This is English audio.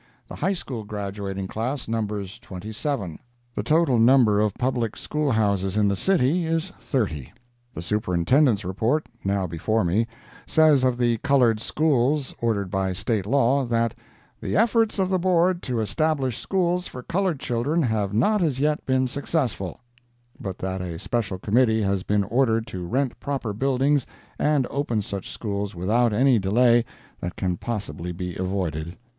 The High School graduating class numbers twenty seven. The total number of public school houses in the city is thirty. The Superintendent's Report, now before me, says of the colored schools ordered by State law, that "the efforts of the Board to establish schools for colored children have not as yet been successful," but that a special committee has been ordered to rent proper buildings and open such schools without any delay that can possibly be avoided.